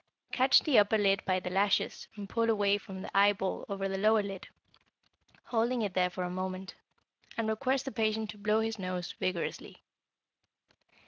Catch the upper lid by the lashes and pull away from the eyeball over the lower lid, holding it there for a moment, and request the patient to blow his nose vigorously.